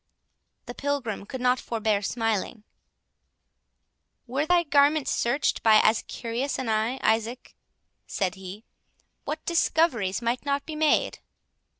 The Pilgrim could not forbear smiling. "Were thy garments searched by as curious an eye, Isaac," said he, "what discoveries might not be made?"